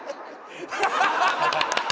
ハハハハ！